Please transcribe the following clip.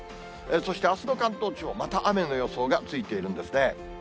そしてあすの関東地方、また雨の予想がついているんですね。